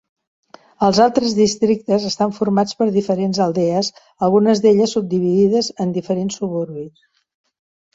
Els altres districtes estan formats per diferents aldees, algunes d'elles subdividides en diferents suburbis.